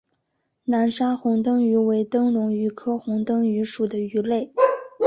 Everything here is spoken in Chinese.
南沙虹灯鱼为灯笼鱼科虹灯鱼属的鱼类。